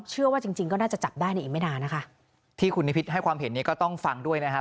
เชื่อว่าจริงจริงก็น่าจะจับได้ในอีกไม่นานนะคะที่คุณนิพิษให้ความเห็นนี้ก็ต้องฟังด้วยนะครับ